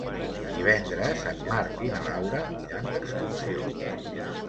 Divendres en Marc i na Laura iran d'excursió.